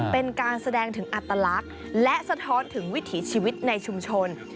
เป็นการแสดงถึงอัตลักษณ์และสะท้อนถึงวิถีชีวิตในชุมชน